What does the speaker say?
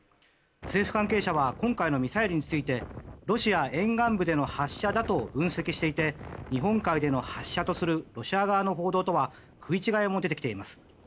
政府関係者は今回のミサイルについてロシア沿岸部での発射だと分析していて日本海での発射とするロシア側の報道とは食い違いも出てきています。